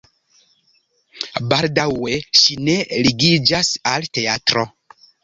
Baldaŭe ŝi ne ligiĝas al teatro.